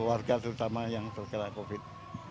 warga terutama yang terkena covid